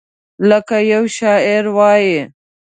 لکه یو شاعر وایي: